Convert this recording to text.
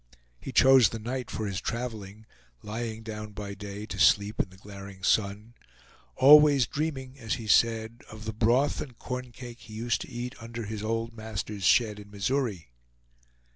He chose the night for his traveling, lying down by day to sleep in the glaring sun, always dreaming, as he said, of the broth and corn cake he used to eat under his old master's shed in Missouri.